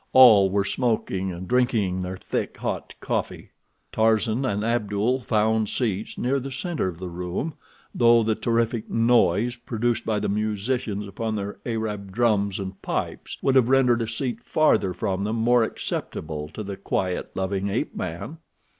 All were smoking, and drinking their thick, hot coffee. Tarzan and Abdul found seats near the center of the room, though the terrific noise produced by the musicians upon their Arab drums and pipes would have rendered a seat farther from them more acceptable to the quiet loving ape man.